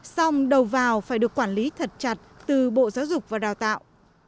xong đầu vào phải được quản lý thật chặt từ bộ giáo dục và đào tạo